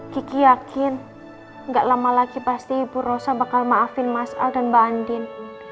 kiki yakin gak lama lagi pasti ibu rosa bakal maafin mas al dan mbak andin